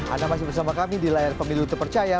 anda masih bersama kami di layar pemilu terpercaya